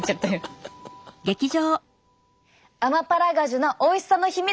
アマパラガジュのおいしさの秘密